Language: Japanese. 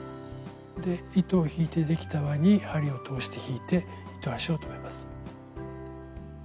で糸を引いてできた輪に針を通して引いて糸端を留めます。